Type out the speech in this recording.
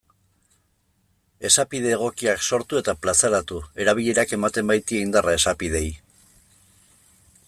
Esapide egokiak sortu eta plazaratu, erabilerak ematen baitie indarra esapideei.